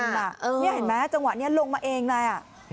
นี่เห็นไหมจังหวะนี้ลงมาเองเลย